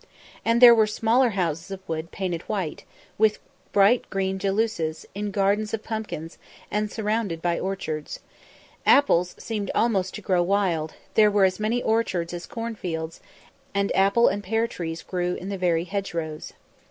And there were smaller houses of wood painted white, with bright green jalousies, in gardens of pumpkins, and surrounded by orchards. Apples seemed almost to grow wild; there were as many orchards as corn fields, and apple and pear trees grew in the very hedgerows.